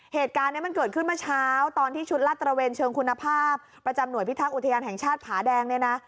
เหตุการณ์นี้มันเกิดขึ้นเมื่อเช้าตอนที่ชุดลาดตระเวนเชิงคุณภาพประจำหน่วยพิทักษ์อุทยานแห่งชาติผาแดงเนี่ยนะ